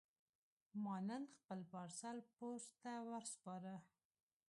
ما نن خپل پارسل پوسټ ته وسپاره.